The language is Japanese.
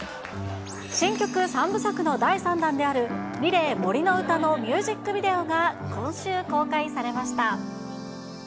新曲３部作の第３弾であるリレー杜の詩のミュージックビデオが今週公開されました。